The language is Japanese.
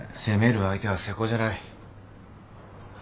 責める相手は瀬古じゃない。